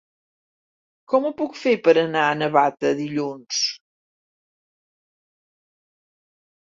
Com ho puc fer per anar a Navata dilluns?